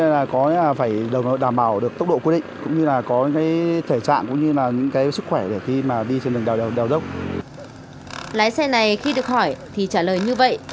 lái xe này khi được hỏi thì trả lời như vậy